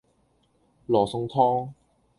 羅宋湯